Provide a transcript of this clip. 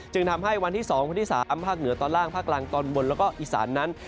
ทำให้วันที่๒วันที่๓ภาคเหนือตอนล่างภาคกลางตอนบนแล้วก็อีสานนั้น